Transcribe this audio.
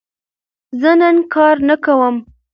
زه نن کار نه کوم.